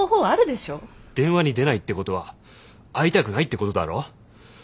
電話に出ないってことは会いたくないってことだろ？